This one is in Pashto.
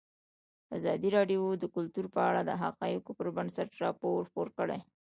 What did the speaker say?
ازادي راډیو د کلتور په اړه د حقایقو پر بنسټ راپور خپور کړی.